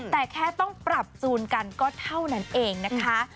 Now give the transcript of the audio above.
แต่แค่ต้องปรับจูนกันก็เท่านั้นเองนะคะ